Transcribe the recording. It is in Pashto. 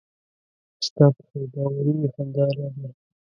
ستا په خوشباوري مې خندا راغله.